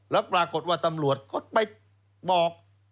แล้วปรากฏว่าตำรวจก็ไปบอก